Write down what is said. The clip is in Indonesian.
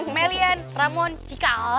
melian ramon cikal lah